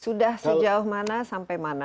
sudah sejauh mana sampai mana